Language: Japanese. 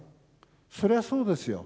そりゃそうですよ。